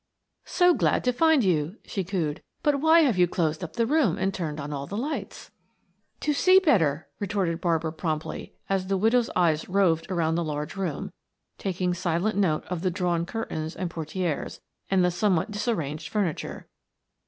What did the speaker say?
"So glad to find you," she cooed. "But why have you closed up the room and turned on all the lights?" "To see better," retorted Barbara promptly as the widow's eyes roved around the large room, taking silent note of the drawn curtains and portieres, and the somewhat disarranged furniture.